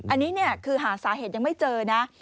อันนี้คือหาสาเหตุยังไม่เจอนะ